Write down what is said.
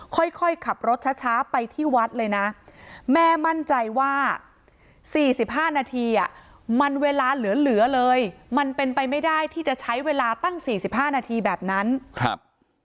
ค่อยค่อยขับรถช้าไปที่วัดเลยนะแม่มั่นใจว่าสี่สิบห้านาทีอ่ะมันเวลาเหลือเลยมันเป็นไปไม่ได้ที่จะใช้เวลาตั้ง๔๕นาทีแบบนั้นครับ